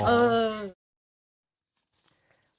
เออ